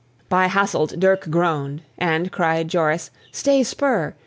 By Hasselt, Dirck groaned; and cried Joris, "Stay spur!